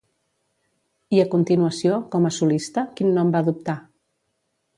I a continuació, com a solista, quin nom va adoptar?